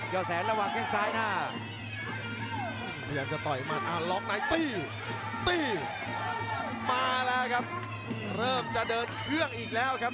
ยอดแสนระวังแค่ใช้หน้า